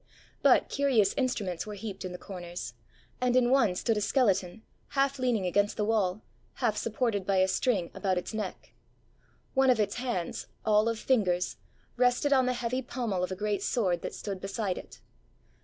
But curious instruments were heaped in the corners; and in one stood a skeleton, half leaning against the wall, half supported by a string about its neck. One of its hands, all of fingers, rested on the heavy pommel of a great sword that stood beside it.